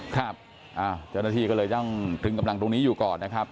ครับเจ้าหน้าที่ก็เลยต้องตรึงกำลังตรงนี้อยู่ก่อนนะครับ